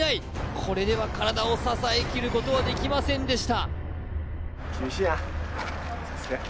これでは体を支えきることはできませんでした。